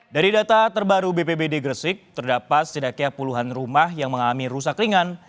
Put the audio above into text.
dari data terbaru bpbd gresik terdapat setidaknya puluhan rumah yang mengalami rusak ringan